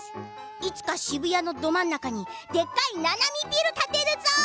いつか渋谷のど真ん中にでっかいななみビル建てるぞ！